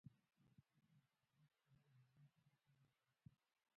افغانستان د چار مغز په اړه علمي څېړنې لري.